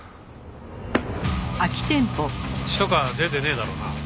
血とか出てねえだろうな。